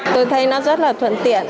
tôi thấy nó rất là thuận tiện